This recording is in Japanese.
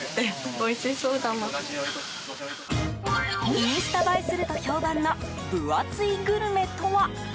インスタ映えすると評判の分厚いグルメとは。